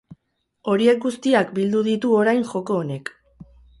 Horiek guztiak bildu ditu orain joko honek.